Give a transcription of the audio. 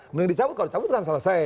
mending dicabut kalau dicabut kan selesai